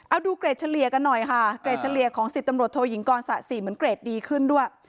เอาดูเกรดเฉลี่ยกันหน่อยค่ะเกรดเฉลี่ยของ๑๐ตำรวจโทยิงกรสะสี่เหมือนเกรดดีขึ้นด้วย